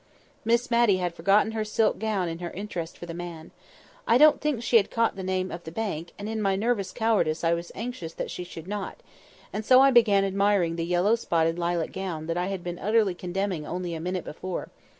Miss Matty had forgotten her silk gown in her interest for the man. I don't think she had caught the name of the bank, and in my nervous cowardice I was anxious that she should not; and so I began admiring the yellow spotted lilac gown that I had been utterly condemning only a minute before.